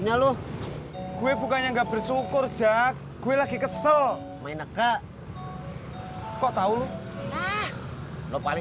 tapi kita masih bisa menikmati hidup ya kan